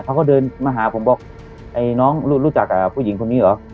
เขาก็เดินมาหาผมบอกไอ้น้องรู้จักกับผู้หญิงคนนี้เหรอ